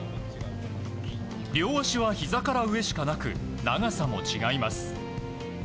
両脚はひざから上しかなく長さも違います。